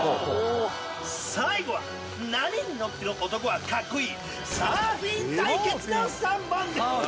最後は波に乗ってる男はカッコいいサーフィン対決の３本です！